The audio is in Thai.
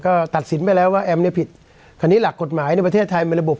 ก็ตัดสินไปแล้วว่าแอมเนี่ยผิดคราวนี้หลักกฎหมายในประเทศไทยมันระบบ